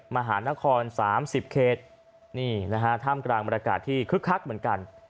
มหานคร๓๐เขตนี่นะฮะท่ามกลางบรรยากาศที่คึกคักเหมือนกัน